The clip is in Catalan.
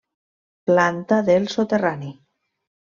Planta del soterrani: